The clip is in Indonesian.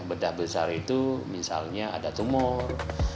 bedah besar itu misalnya ada tumor